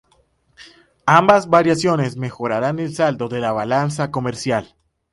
Ambas variaciones mejoraran el saldo de la balanza comercial.